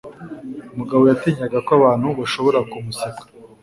Mugabo yatinyaga ko abantu bashobora kumuseka.